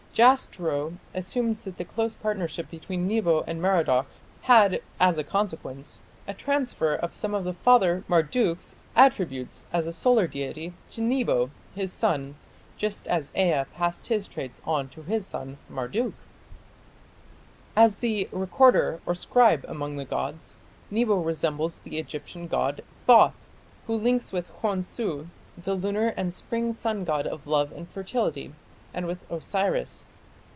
Jastrow assumes that the close partnership between Nebo and Merodach "had as a consequence a transfer of some of the father Marduk's attributes as a solar deity to Nebo, his son, just as Ea passed his traits on to his son, Marduk". As the "recorder" or "scribe" among the gods, Nebo resembles the Egyptian god Thoth, who links with Khonsu, the lunar and spring sun god of love and fertility, and with Osiris.